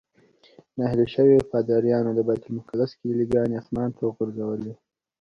نهیلي شویو پادریانو د بیت المقدس کیلي ګانې اسمان ته وغورځولې.